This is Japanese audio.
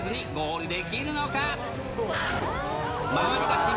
ゴール